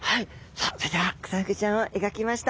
さあそれではクサフグちゃんを描きました。